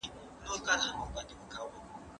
ښځه باید د خاوند د صحت ساتنه وکړي.